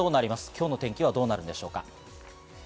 今日の天気はどうなるんでしょうか？